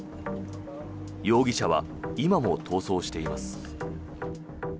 容疑者は今も逃走しています。